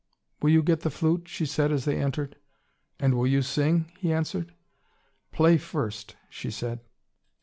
"Will you get the flute?" she said as they entered. "And will you sing?" he answered. "Play first," she said.